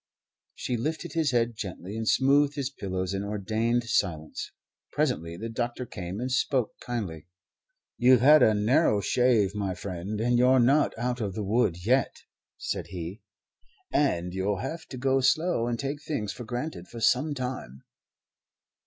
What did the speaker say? She lifted his head gently and smoothed his pillows, and ordained silence. Presently the doctor came, and spoke kindly. "You've had a narrow shave, my friend, and you're not out of the wood yet," said he. "And you'll have to go slow and take things for granted for some time."